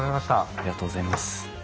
ありがとうございます。